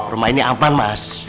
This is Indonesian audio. rumah ini aman mas